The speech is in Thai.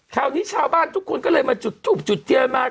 คราวนี้ชาวบ้านทุกคนก็เลยถูกจุดเทือนมา